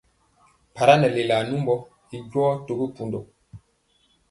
Mpara nɛ lelaa numbɔ i jɔ to pundɔ.